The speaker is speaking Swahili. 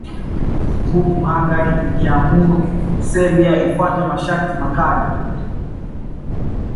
Huku Hungaria ikiamuru Serbia ifuate masharti makali